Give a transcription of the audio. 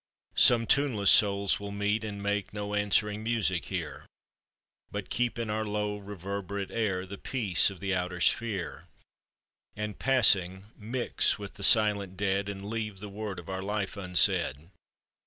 Some tuneless souls will meet, and make No answering music here, But keep in our low, reverberate air, The peace of the outer sphere, And passing, mix with the silent dead And leave the word of our life unsaid.